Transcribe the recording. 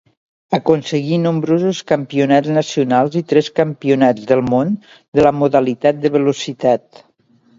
Aconseguí nombrosos campionats nacionals i tres campionats del món de la modalitat de velocitat.